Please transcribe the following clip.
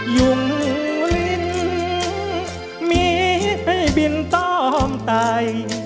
หยุ่งลิ้นมีให้บินต้อมไต